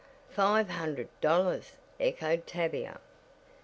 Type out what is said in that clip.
"Five hundred dollars!" echoed Tavia.